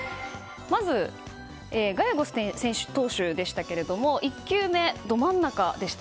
まずガイェゴス投手でしたけれども１球目、ど真ん中でした。